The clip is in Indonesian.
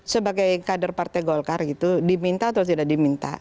sebagai kader partai golkar gitu diminta atau tidak diminta